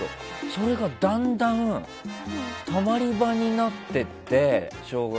それが、だんだん小学生のたまり場になっていって。